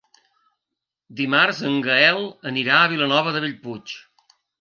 Dimarts en Gaël anirà a Vilanova de Bellpuig.